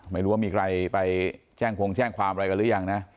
ไม่รู้ว่ามีใครไปแจ้งคงแจ้งความอะไรกันหรือยังนะ